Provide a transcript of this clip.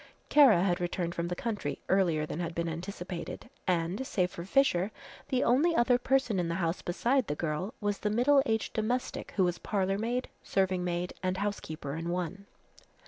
Kara had returned from the country earlier than had been anticipated, and, save for Fisher, the only other person in the house beside the girl, was the middle aged domestic who was parlour maid, serving maid and housekeeper in one.